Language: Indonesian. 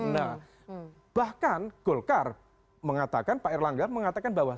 nah bahkan golkar mengatakan pak erlangga mengatakan bahwa